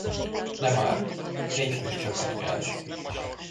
Ne már, négyfős csapat kell.